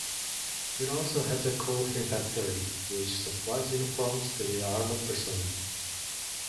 It also has a clothing factory which supplies uniforms to the armed personnel.